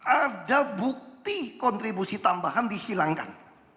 ada bukti kontribusi tambahan dihilangkan